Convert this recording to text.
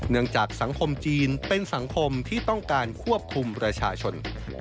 จากสังคมจีนเป็นสังคมที่ต้องการควบคุมประชาชน